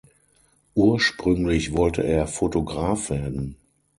Ursprünglich wollte er Photograph werden.